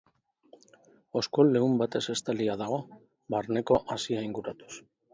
Oskol leun batez estalia dago, barneko hazia inguratuz.